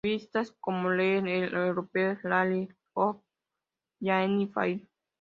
Revistas como "Leer", "El Europeo", "Marie Claire", o "Vanity Fair".